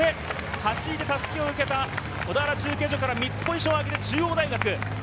８位で襷を受けた小田原中継所から３つポジションを上げる中央大学。